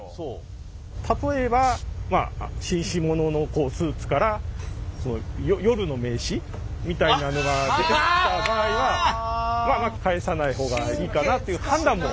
例えばまあ紳士物のスーツから夜の名刺みたいなのが出てきた場合はまあ返さない方がいいかなという判断も。